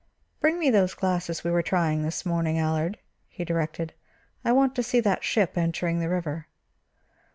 "Bring me those glasses we were trying this morning, Allard," he directed. "I want to see that ship entering the river."